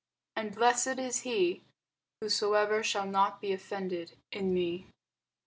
And blessed is he, whosoever shall not be offended in me.